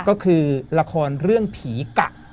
ก็คือละครเรื่องผีกะ